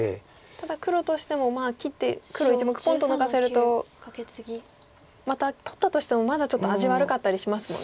ただ黒としても切って黒１目ポンと抜かせるとまた取ったとしてもまだちょっと味悪かったりしますもんね。